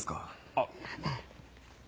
あっ。